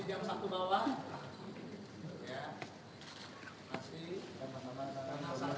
jam dua belas bawah